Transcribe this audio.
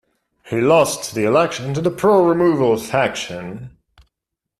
He lost the election to the pro removal faction.